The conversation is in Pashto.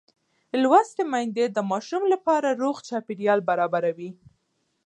لوستې میندې د ماشوم لپاره روغ چاپېریال برابروي.